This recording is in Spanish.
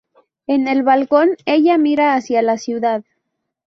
En el balcón, ella mira hacia la ciudad.